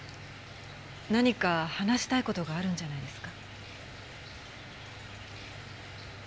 何か話したい事があるんじゃないですか？